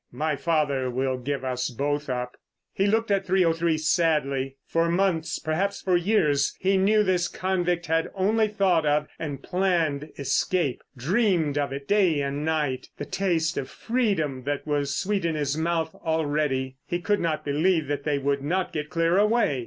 My father will give us both up." He looked at 303 sadly. For months, perhaps for years, he knew this convict had only thought of, and planned, escape, dreamed of it day and night. The taste of freedom was sweet in his mouth already; he could not believe that they would not get clear away.